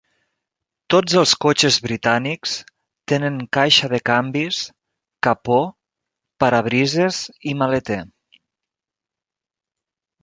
Tots els cotxes britànics tenen caixa de canvis, capó, parabrises i maleter